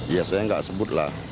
ya saya nggak sebut lah